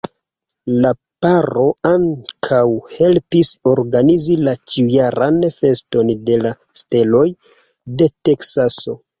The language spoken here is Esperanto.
La paro ankaŭ helpis organizi la ĉiujaran Feston de la Steloj de Teksaso.